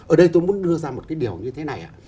ở đây tôi muốn đưa ra một cái điều như thế này ạ